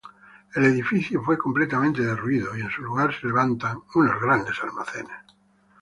El edificio fue completamente derruido y en su lugar se levanta unos grandes almacenes.